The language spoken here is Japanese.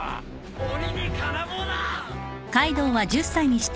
鬼に金棒だ！